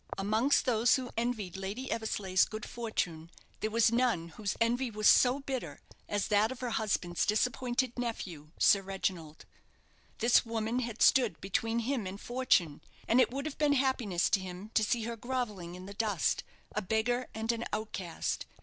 Amongst those who envied Lady Eversleigh's good fortune, there was none whose envy was so bitter as that of her husband's disappointed nephew, Sir Reginald. This woman had stood between him and fortune, and it would have been happiness to him to see her grovelling in the dust, a beggar and an outcast.